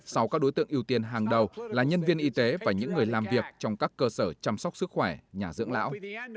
sau các đối tượng ưu tiên hàng đầu là nhân viên y tế và những người làm việc trong các cơ sở chăm sóc sức khỏe nhà dưỡng lão